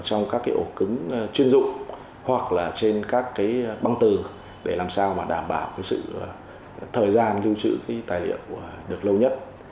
trong các ổ cứng chuyên dụng hoặc trên các băng từ để làm sao đảm bảo thời gian lưu trữ tài liệu được lâu nhất